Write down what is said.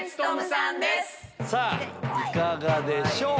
さぁいかがでしょう？